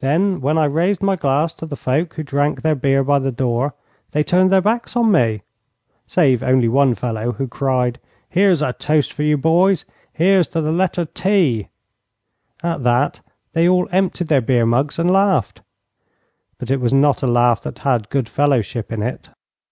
Then when I raised my glass to the folk who drank their beer by the door they turned their backs on me, save only one fellow, who cried, 'Here's a toast for you, boys! Here's to the letter T!' At that they all emptied their beer mugs and laughed; but it was not a laugh that had good fellowship in it.